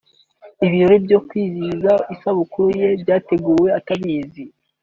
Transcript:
Ibirori byo kwizihiza isabukuru ye byateguwe atabizi